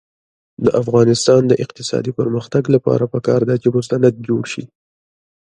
د افغانستان د اقتصادي پرمختګ لپاره پکار ده چې مستند جوړ شي.